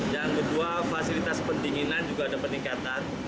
yang kedua fasilitas pendinginan juga ada peningkatan